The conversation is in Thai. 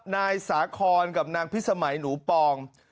นายสาคอนกับนางพิสมัยหนูปอง